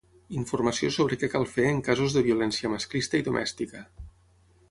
Informació sobre què cal fer en casos de violència masclista i domèstica.